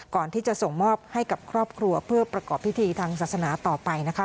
ก่อนที่จะส่งมอบให้กับครอบครัวเพื่อประกอบพิธีทางศาสนาต่อไปนะคะ